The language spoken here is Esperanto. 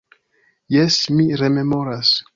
Jes, mi rememoras.